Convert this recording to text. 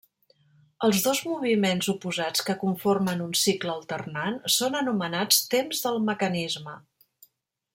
Els dos moviments oposats que conformen un cicle alternant són anomenats temps del mecanisme.